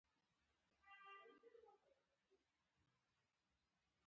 • شتمني د انسانیت معیار نه دی.